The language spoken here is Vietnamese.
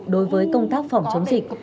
đối với công tác phòng chống dịch